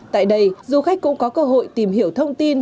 tại đây du khách cũng có cơ hội tìm hiểu thông tin